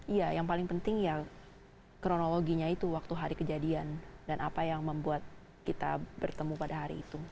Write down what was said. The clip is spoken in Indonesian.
iya yang paling penting ya kronologinya itu waktu hari kejadian dan apa yang membuat kita bertemu pada hari itu